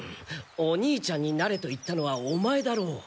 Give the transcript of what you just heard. お兄ちゃんになれと言ったのはオマエだろう。